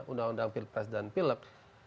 undang undang presiden pilek